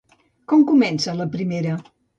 Com comença la primera?